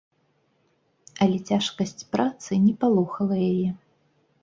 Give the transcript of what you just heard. Але цяжкасць працы не палохала яе.